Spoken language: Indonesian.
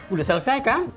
udah selesai kan